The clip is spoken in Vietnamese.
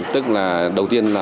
tức là đầu tiên là